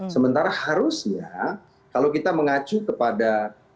sementara harusnya kalau kita mengacu kepada